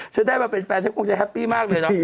ฉันได้มาเป็นแฟนฉันคงจะแฮปปี้มากเลยเนาะ